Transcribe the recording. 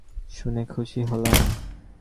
শুনে খুশি হলাম।